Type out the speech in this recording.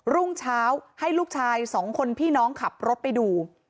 รุ่งเช้าให้ลูกชายสองคนพี่น้องขับรถไปดู